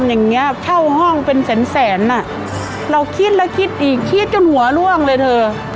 อย่างเงี้เช่าห้องเป็นแสนแสนอ่ะเราคิดแล้วคิดอีกคิดจนหัวล่วงเลยเธอ